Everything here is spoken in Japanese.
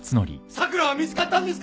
咲良は見つかったんですか！？